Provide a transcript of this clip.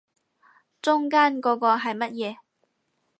中間嗰個係乜嘢